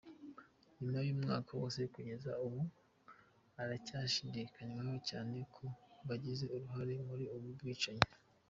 Nyuma y’umwaka wose kugeza ubu, haracyashidikanywa cyane ku bagize uruhare muri ubu bwicanyi.